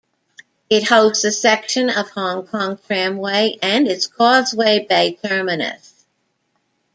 It hosts a section of Hong Kong Tramway and its Causeway Bay terminus.